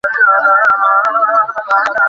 মন বা জড় কোনটিই অপরটিকে ব্যাখ্যা করিতে পারে না।